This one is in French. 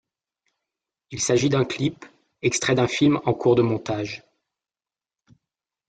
Il s'agit d'un clip, extrait d'un film en cours de montage.